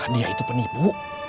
dia itu penipu